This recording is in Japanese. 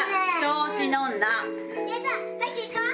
早く行こう！